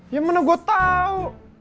ya mana gua tau